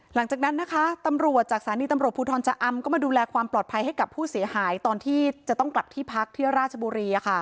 หลังจากนั้นนะคะตำรวจจากสถานีตำรวจภูทรชะอำก็มาดูแลความปลอดภัยให้กับผู้เสียหายตอนที่จะต้องกลับที่พักที่ราชบุรี